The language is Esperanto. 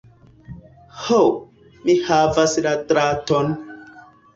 Ho, mi havas la draton!